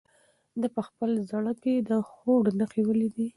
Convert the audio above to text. ده په خپل زړه کې د هوډ نښې ولیدلې.